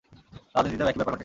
রাজনীতিতেও একই ব্যাপার ঘটে!